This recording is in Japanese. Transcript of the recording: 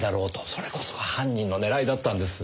それこそが犯人の狙いだったんです。